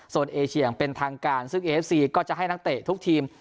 ส่วนเอเชียอย่างเป็นทางการซึ่งเอฟซีก็จะให้นักเตะทุกทีม